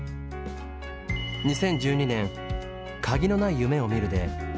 ２０１２年「鍵のない夢を見る」で直木賞を受賞。